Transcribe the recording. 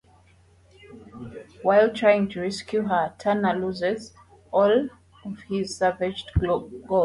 While trying to rescue her, Turner loses all of his salvaged gold.